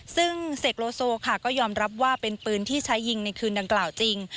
ซึ่งเสกโลโซค่ะก็ยอมรับว่าเป็นปืนที่ใช้ยิงในคืนดังกล่าวจริง